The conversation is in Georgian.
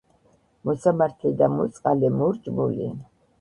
მოსამართლე და მოწყალე, მორჭმული,